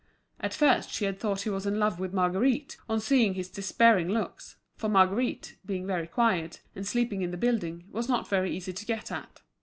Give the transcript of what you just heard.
At first she had thought he was in love with Marguerite, on seeing his despairing looks, for Marguerite, being very quiet, and sleeping in the building, was not very easy to get at.